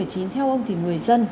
theo ông thì người dân